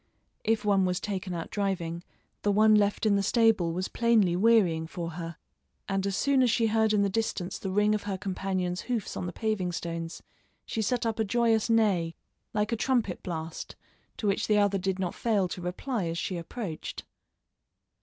If one was taken out driving, the one left in the stable was plainly wearying for her, and as soon as she heard in the distance the ring of her companion's hoofs on the paving stones, she set up a joyous neigh, like a trumpet blast, to which the other did not fail to reply as she approached.